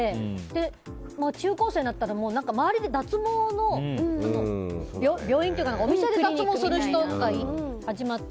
で、中高生になったら周りで脱毛の病院というかお店で脱毛する人とか始まって。